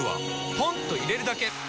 ポンと入れるだけ！